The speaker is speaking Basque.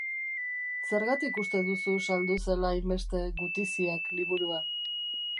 Zergatik uste duzu saldu zela hainbeste Gutiziak liburua?